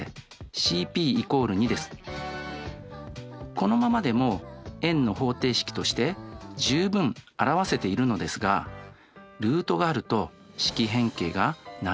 このままでも円の方程式として十分表せているのですがルートがあると式変形が何かとつらいです。